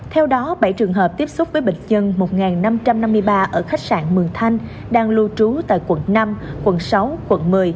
theo đó bảy trường hợp tiếp xúc với bệnh nhân một năm trăm năm mươi ba ở khách sạn mường thanh đang lưu trú tại quận năm quận sáu quận một mươi